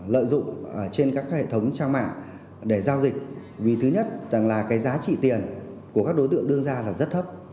lợi dụng trên các hệ thống trang mạng để giao dịch vì thứ nhất là cái giá trị tiền của các đối tượng đưa ra là rất thấp